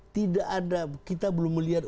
tidak ada kita belum melihat